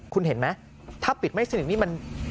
คุณเห็นไหมถ้าปิดไม่สนิทนี่มัน